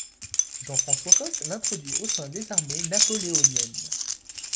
Jean François Coste l'introduit au sein des armées napoléoniennes.